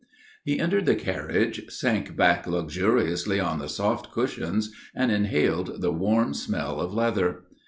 He entered the carriage, sank back luxuriously on the soft cushions, and inhaled the warm smell of leather.